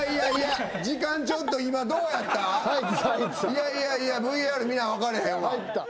いやいやいやＶＡＲ見な分かれへんわ。